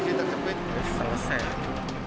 cukup agak sulit karena polisi terkejut